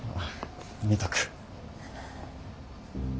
見とく。